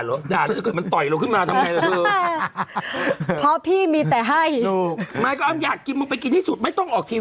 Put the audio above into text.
แล้วทำไงแบบนี้แล้วมีแค่กันดิ